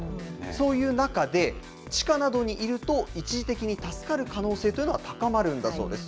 そういう中で、地下などにいると、一時的に助かる可能性というのが高まるんだそうです。